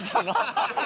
ハハハハ！